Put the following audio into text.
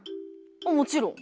もちろん。